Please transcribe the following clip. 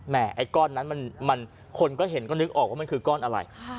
ไอ้ก้อนนั้นมันคนก็เห็นก็นึกออกว่ามันคือก้อนอะไร